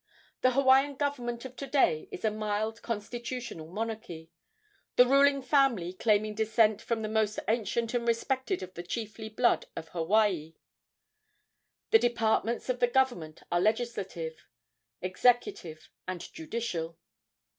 The Hawaiian government of to day is a mild constitutional monarchy, the ruling family claiming descent from the most ancient and respected of the chiefly blood of Hawaii. The departments of the government are legislative, executive and judicial.